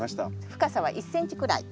深さは１ｃｍくらい。